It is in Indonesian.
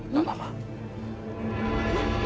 tidak apa apa mak